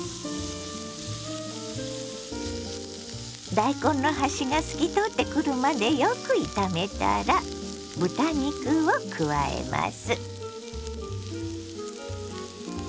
大根の端が透き通ってくるまでよく炒めたら豚肉を加えます。